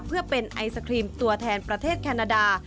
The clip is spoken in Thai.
เพื่อเป็นไอศครีมตัวแทนประเทศแคนาดา